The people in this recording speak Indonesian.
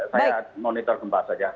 saya monitor gempa saja